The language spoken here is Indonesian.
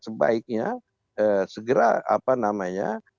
sebaiknya segera apa namanya